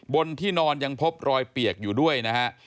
บนที่นอนยังพบรอยเปียกอยู่ด้วยนะฮะ